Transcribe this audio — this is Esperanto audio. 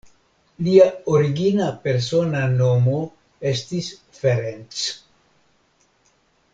Lia origina persona nomo estis Ferenc.